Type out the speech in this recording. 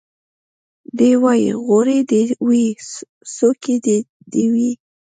دی وايي غوړي دي وي څوکۍ دي وي